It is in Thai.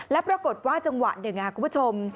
แล้วปรากฏว่าจังหวะหนึ่งคุณผู้ชม